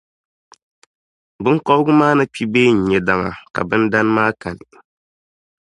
biŋkɔbigu maa ti kpi bee n-nya daŋa, ka bindana maa kani.